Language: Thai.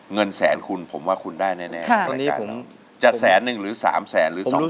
เงินแสนคุณผมว่าคุณได้แน่แสนหนึ่งหรือสามแสนหรือสองแสน